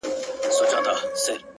• په زرګونو یې تر خاورو کړله لاندي,